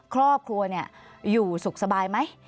ครอบครัวอยู่สุขสบายไหม